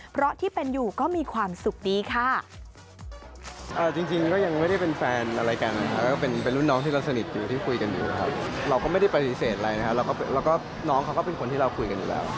เพราะที่เป็นอยู่ก็มีความสุขดีค่ะ